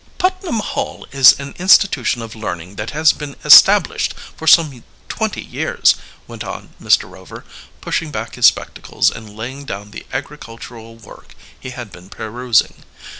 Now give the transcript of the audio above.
"Putnam Hall is an institution of learning that has been established for some twenty years," went on Mr. Rover, pushing back his spectacles and laying down the agricultural work he had been perusing.